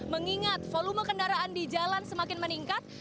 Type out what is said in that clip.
mengingat volume kendaraan di jalan semakin meningkat